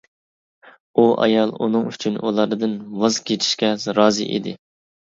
ئۇ ئايال ئۇنىڭ ئۈچۈن ئۇلاردىن ۋاز كېچىشكە رازى ئىدى.